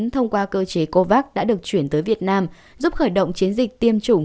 thông qua cơ chế covax đã được chuyển tới việt nam giúp khởi động chiến dịch tiêm chủng